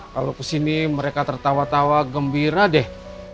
kalau kesini mereka tertawa tawa gembira deh